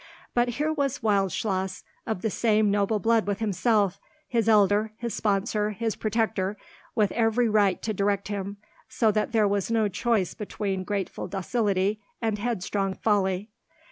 But here was Wildschloss, of the same noble blood with himself, his elder, his sponsor, his protector, with every right to direct him, so that there was no choice between grateful docility and headstrong folly.